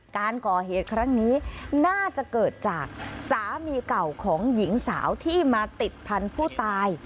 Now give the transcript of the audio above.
การก่อเหตุครั้งนี้น่าจะเกิดจากสามีเก่าของหญิงสาวที่มาติดพันธุ์ผู้ตาย